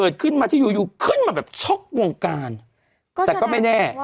แต่ไม่แน่แต่ไม่แน่